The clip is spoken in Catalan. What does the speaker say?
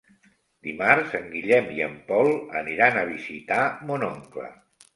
Dimarts en Guillem i en Pol aniran a visitar mon oncle.